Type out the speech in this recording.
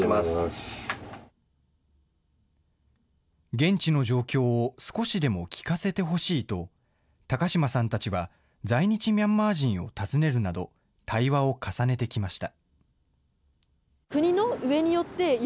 現地の状況を少しでも聞かせてほしいと、高嶌さんたちは在日ミャンマー人を訪ねるなど、対話を重ねてきました。